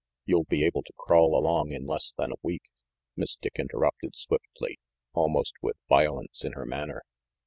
You'll be able to crawl along in less than a week," Miss Dick interrupted swiftly, almost with violence in her manner.